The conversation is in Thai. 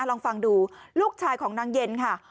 ลองฟังดูลูกชายของนางเย็นค่ะ